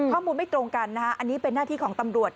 ข้อมูลไม่ตรงกันอันนี้เป็นหน้าที่ของตำรวจ